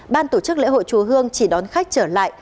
ban tổ chức lễ hội chùa hương chỉ đón khách trở lại